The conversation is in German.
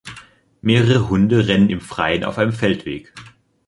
mehrere Hunde rennen im Freien auf einem Feldweg.